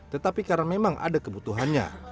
tetapi karena memang ada kebutuhannya